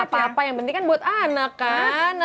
apa apa yang penting kan buat anak kan